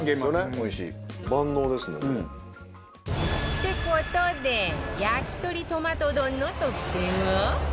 って事で焼き鳥トマト丼の得点は？